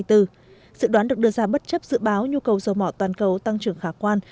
dự đoán được đưa ra bất chấp dự báo nhu cầu dầu mỏ toàn cầu tăng trưởng khả quan